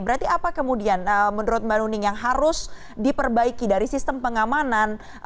berarti apa kemudian menurut mbak nuning yang harus diperbaiki dari sistem pengamanan